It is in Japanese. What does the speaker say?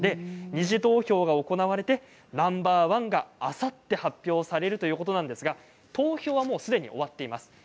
二次投票が行われてナンバー１があさって発表されるということなんですが投票は、すでに終わっています。